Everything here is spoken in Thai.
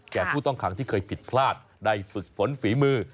ผู้ต้องขังที่เคยผิดพลาดได้ฝึกฝนฝีมือ